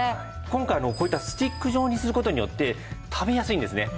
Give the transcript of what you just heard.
今回こういったスティック状にする事によって食べやすいんですね。